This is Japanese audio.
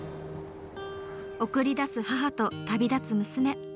送り出す母と旅立つ娘。